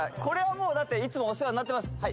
これはもうだっていつもお世話になってます